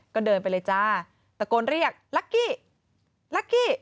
ก็เดินไปเลยจ้าตะโกนเรียกลักกี้ลักกี้